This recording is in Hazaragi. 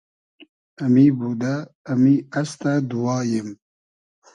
امی بودۂ ، امی استۂ دوواییم